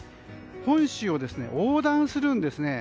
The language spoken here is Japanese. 本州を横断するんですね。